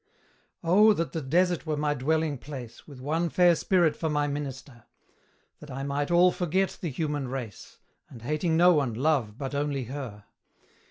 Oh! that the Desert were my dwelling place, With one fair Spirit for my minister, That I might all forget the human race, And, hating no one, love but only her!